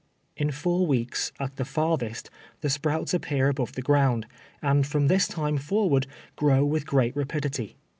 In four weeks, at the farthest, the sprouts appear above the ground, and from this time forward grow with great rapidity.